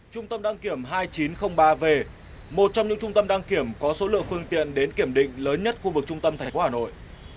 trung tâm đăng kiểm hai nghìn chín trăm linh ba v một trong những trung tâm đăng kiểm có số lượng phương tiện đến kiểm định lớn nhất khu vực trung tâm thành phố hà nội